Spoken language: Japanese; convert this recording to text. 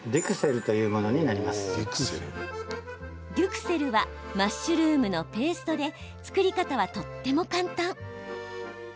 デュクセルはマッシュルームのペーストで作り方はとっても簡単。